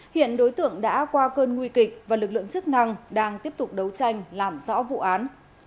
hiện đối tượng đã qua cơn nguy kịch và lực lượng chức năng đang tiếp tục đấu tranh làm rõ vụ án